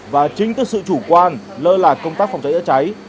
và chính tức sự chủ quan lơ lạc công tác phòng cháy giữa cháy